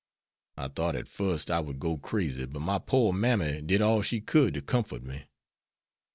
I thought at first I would go crazy, but my poor mammy did all she could to comfort me.